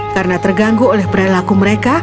karena terganggu oleh perilaku mereka